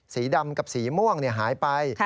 สีดำกับสีม่วงหายไป